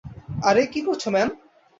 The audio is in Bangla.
আরে, কি করছো ম্যান?